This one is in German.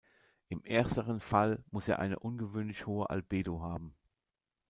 Im ersteren Fall muss er eine ungewöhnlich hohe Albedo haben.